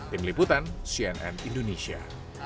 tim liputan cnn indonesia